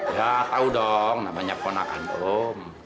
ya tau dong namanya konakan om